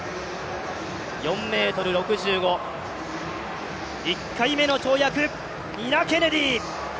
４ｍ６５、１回目の跳躍、ニナ・ケネディ。